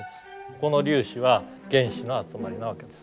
この粒子は原子の集まりなわけです。